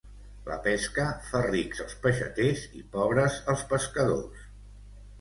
La pesca fa rics els peixaters i pobres els pescadors.